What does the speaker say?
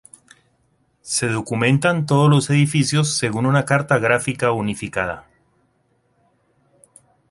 Se documentan todos los edificios según una carta gráfica unificada.